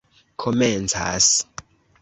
komencas